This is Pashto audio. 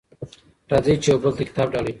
راځئ چي یو بل ته کتاب ډالۍ کړو.